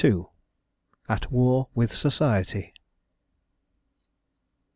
AT WAR WITH SOCIETY.